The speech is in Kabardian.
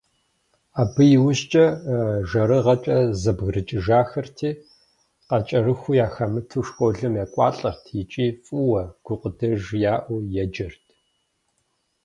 Абы иужькӏэ жэрыгъэкӏэ зэбгрыкӏыжхэрти, къыкӏэрыху яхэмыту, школым екӏуалӏэрт икӏи фӏыуэ, гукъыдэж яӏэу еджэрт.